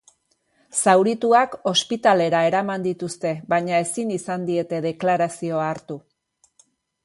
Zaurituak ospitalera eraman dituzte baina ezin izan diete deklarazioa hartu.